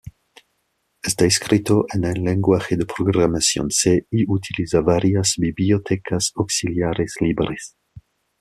Está escrito en el lenguaje de programación C y utiliza varias bibliotecas auxiliares libres.